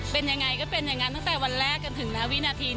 เป็นยังไงก็เป็นอย่างนั้นตั้งแต่วันแรกจนถึงหน้าวินาที